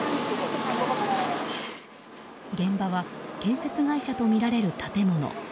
現場は建設会社とみられる建物。